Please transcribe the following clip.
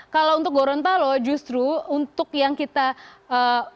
kalau untuk gorontalo justru untuk yang kita inginkan